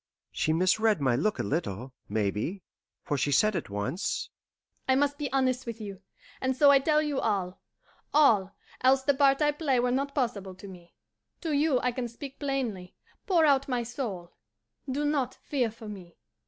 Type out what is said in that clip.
She misread my look a little, maybe, for she said at once: "I must be honest with you, and so I tell you all all, else the part I play were not possible to me. To you I can speak plainly, pour out my soul. Do not fear for me.